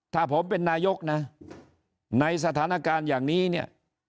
ถ้าผมเป็นนายกนะในสถานการณ์อย่างนี้เนี่ย